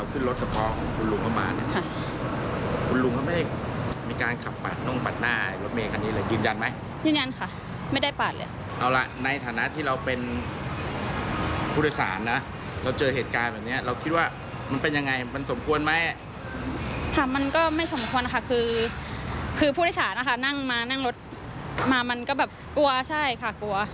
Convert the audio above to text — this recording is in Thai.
คือผู้โดยสารนั่งมานั่งรถมามันก็แบบกลัวใช่ค่ะกลัว